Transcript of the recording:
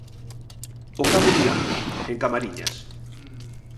O Cabo Vilán, en Camariñas.